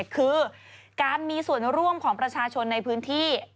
คือการมีส่วนร่วมของประชาชนในพื้นที่